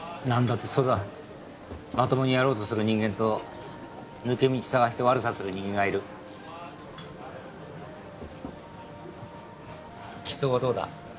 何だってそうだまともにやろうとする人間と抜け道探して悪さする人間がいる機捜はどうだ？